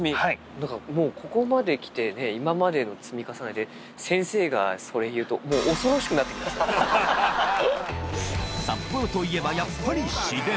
だからもう、ここまで来てね、今までの積み重ねで、先生がそれ言うと、もう恐ろしくなってきま札幌といえばやっぱり、市電。